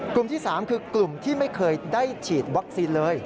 กลุ่มที่๓คือกลุ่มที่ไม่เคยได้ฉีดวัคซีนเลย